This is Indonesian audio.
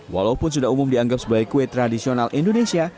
walaupun sudah umum dianggap sebagai kue tradisional indonesia